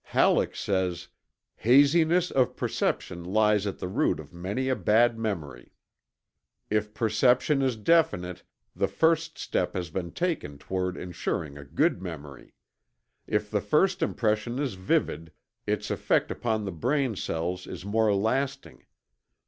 Halleck says: "Haziness of perception lies at the root of many a bad memory. If perception is definite, the first step has been taken toward insuring a good memory. If the first impression is vivid, its effect upon the brain cells is more lasting.